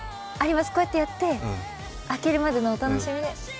こうやってやって、開けるまでのお楽しみ。